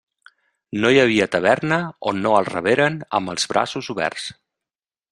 No hi havia taverna on no el reberen amb els braços oberts.